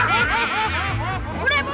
penculiknya pak robin